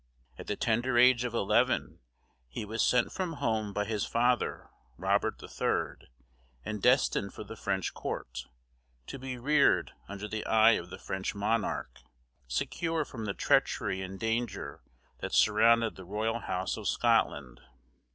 At the tender age of eleven, he was sent from home by his father, Robert III., and destined for the French court, to be reared under the eye of the French monarch, secure from the treachery and danger that surrounded the royal house of Scotland.